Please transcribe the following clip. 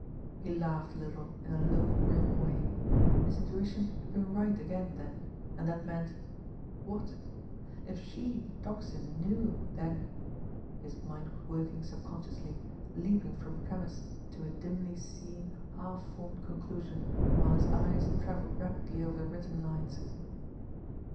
He laughed a little in a low, grim way. His intuition had been right again then, and that meant what? If she, the Tocsin, knew, then his mind was working subconsciously, leaping from premise to a dimly seen, half formed conclusion, while his eyes travelled rapidly over the written lines.